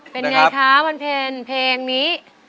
เป็นไงคะมันเพลงนี้